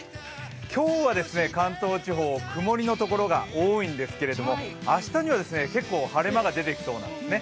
今日は関東地方、曇りのところが多いんですけれども、明日には結構晴れ間が出てきそうなんですね。